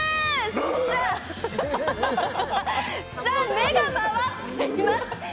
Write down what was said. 目が回っています。